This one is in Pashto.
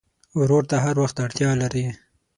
ورور ته هر وخت اړتیا لرې.